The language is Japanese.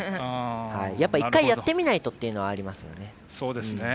やっぱり、１回やってみないとっていうのはありますよね。